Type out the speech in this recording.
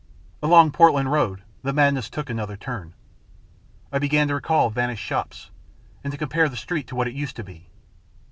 Along Portland Road the madness took another turn. I began to recall vanished shops, and to compare the street with what it used to be.